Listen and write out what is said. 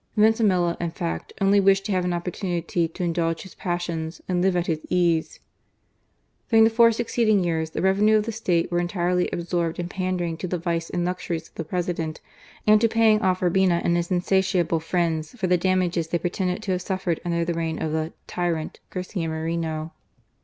Vintimilla, in fact, only wished to have an opportunity to indulge his passions and live at his ease. During the four succeeding years the revenues of the State were entirely absorbed in pandering to the vice and luxuries of the President, and to paying off Urbina and his insatiable friends for the damages they pretended to have suffered under the reign of the " tyrant " Garcia Moreno.